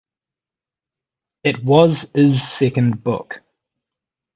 It was is second book.